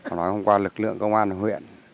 nói hôm qua lực lượng công an huyện